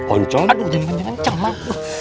oncom aduh jadi jadi oncom mak